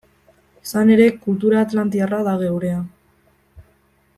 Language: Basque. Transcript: Izan ere, kultura atlantiarra da geurea.